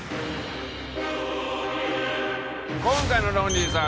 今回のロンリーさん